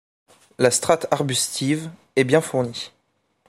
La strate arbustive est bien fournie.